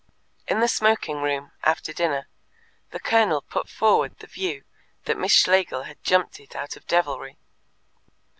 In the smoking room, after dinner, the Colonel put forward the view that Miss Schlegel had jumped it out of devilry.